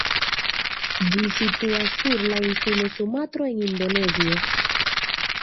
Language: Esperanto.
Ĝi situas sur la insulo Sumatro en Indonezio.